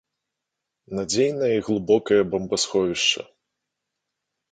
Надзейная і глыбокая бамбасховішча!